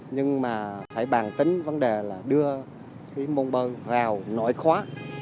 nhưng mà phải bàn tính vấn đề là đưa cái môn bơi vào nội khóa